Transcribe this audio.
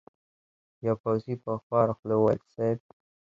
يوه پوځي په خواره خوله وويل: صېب!